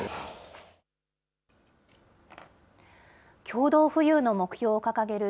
共同富裕の目標を掲げる